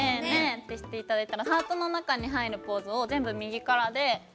ってして頂いたらハートの中に入るポーズを全部右からで右左。